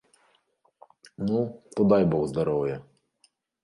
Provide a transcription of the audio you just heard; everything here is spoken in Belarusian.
Ну, то дай бог здароўя.